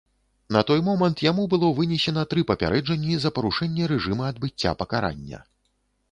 На той момант яму было вынесена тры папярэджанні за парушэнне рэжыма адбыцця пакарання.